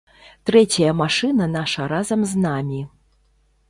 Трэцяя машына наша разам з намі.